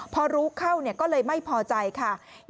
พอรู้เข้าก็เลยไม่พอใจค่ะ